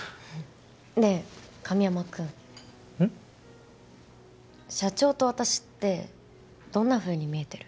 ねえ神山くんうん？社長と私ってどんなふうに見えてる？